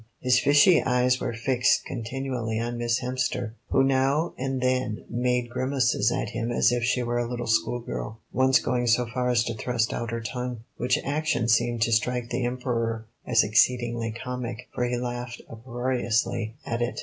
His fishy eyes were fixed continually on Miss Hemster, who now and then made grimaces at him as if she were a little schoolgirl, once going so far as to thrust out her tongue, which action seemed to strike the Emperor as exceedingly comic, for he laughed uproariously at it.